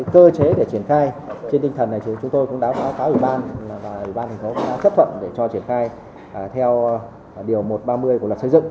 cơ chế để triển khai trên tinh thần này chúng tôi cũng đã kháo cáo ủy ban và ủy ban thành phố đã chấp thuận để cho triển khai theo điều một trăm ba mươi của lập xây dựng